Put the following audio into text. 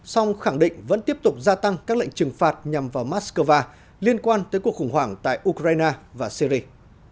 song khẳng định vẫn tiếp tục gia tăng các lệnh trừng phạt nhằm vào moscow liên quan tới cuộc khủng hoảng tại ukraine và syri